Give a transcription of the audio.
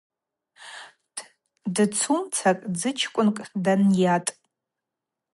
Дцумца дзычкӏвынкӏ данйатӏ.